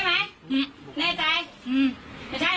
นี่หน้าตายเนี่ย